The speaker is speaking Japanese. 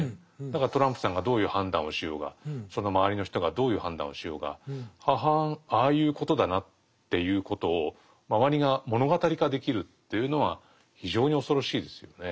だからトランプさんがどういう判断をしようがその周りの人がどういう判断をしようが「ははんああいうことだな」っていうことを周りが物語化できるというのは非常に恐ろしいですよね。